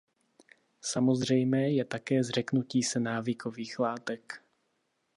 Samozřejmé je také zřeknutí se návykových látek.